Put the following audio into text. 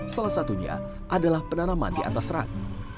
salah satunya adalah penanaman di atas rat